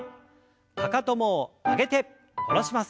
かかとも上げて下ろします。